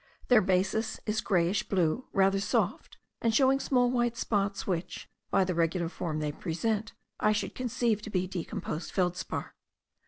Their basis is greyish blue, rather soft, and showing small white spots which, by the regular form they present, I should conceive to be decomposed feldspar.